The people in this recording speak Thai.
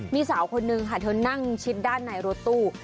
มีสาวคนนึงค่ะเธอนั่งชิดด้านในรถตู้